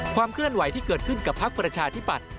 เคลื่อนไหวที่เกิดขึ้นกับพักประชาธิปัตย